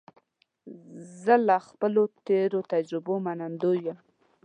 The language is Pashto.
زه له خپلو تېرو تجربو منندوی یم.